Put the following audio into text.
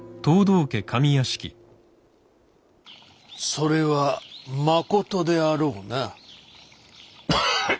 それはまことであろうな。